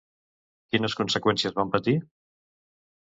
Quines conseqüències van patir?